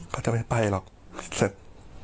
เขาจะไม่ไปหรอกเสร็จ